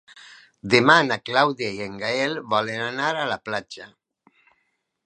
Demà na Clàudia i en Gaël volen anar a la platja.